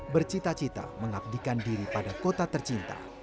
bercita cita mengabdikan diri pada kota tercinta